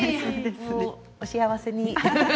お幸せに。